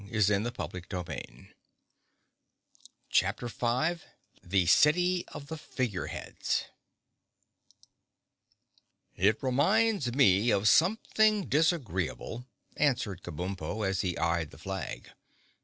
[Illustration: (unlabelled)] Chapter 5 In The City of The Figure Heads "It reminds me of something disagreeable," answered Kabumpo, as he eyed the flag.